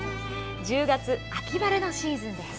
１０月、秋バラのシーズンです。